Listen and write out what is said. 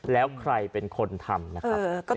แล้วใครเป็นคนทำนะครับ